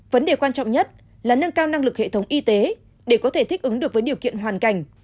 vấn đề quan trọng nhất là nâng cao năng lực hệ thống y tế để có thể thích ứng được với điều kiện hoàn cảnh